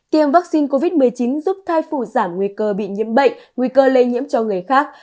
tiêm vaccine covid một mươi chín giúp thai phụ giảm nguy cơ bị nhiễm bệnh nguy cơ lây nhiễm cho người khác